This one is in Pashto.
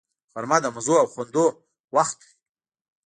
غرمه د مزو او خوندونو وخت وي